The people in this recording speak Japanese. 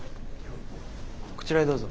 こちらへどうぞ。